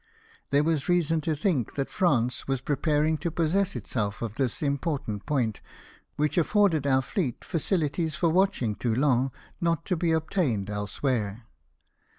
There was reason to think that France was preparing to possess herself of this important point, which afforded our fleet facilities for watching Toulon,. not to be obtained else where.